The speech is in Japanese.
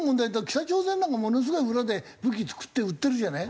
北朝鮮なんかものすごい裏で武器作って売ってるじゃない？